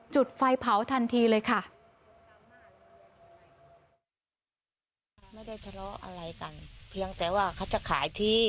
จุดไฟเผาทันทีเลยค่ะ